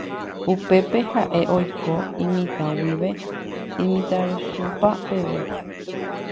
Upépe ha'e oiko imitã guive imitãrusupa peve.